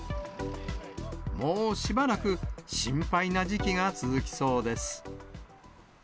もうしばらく心配な時期が続きそうです。